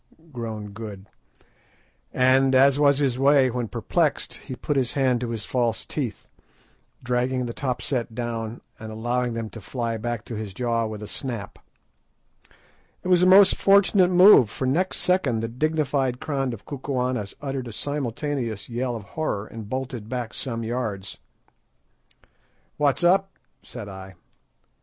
groaned Good; and, as was his way when perplexed, he put his hand to his false teeth, dragging the top set down and allowing them to fly back to his jaw with a snap. It was a most fortunate move, for next second the dignified crowd of Kukuanas uttered a simultaneous yell of horror, and bolted back some yards. "What's up?" said I.